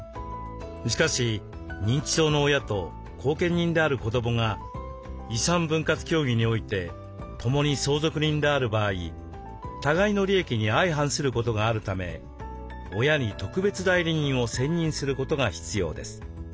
しかし認知症の親と後見人である子どもが遺産分割協議において共に相続人である場合互いの利益に相反することがあるため親に特別代理人を選任することが必要です。